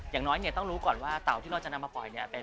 อย่างน้อยต้องรู้ก่อนว่าเต่าที่เราจะนำมาปล่อย